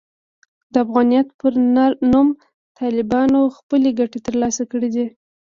د افغانیت پر نوم طالبانو خپلې ګټې ترلاسه کړې دي.